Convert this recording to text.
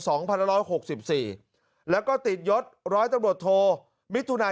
พันละร้อยหกสิบสี่แล้วก็ติดยศร้อยตำรวจโทมิถุนาย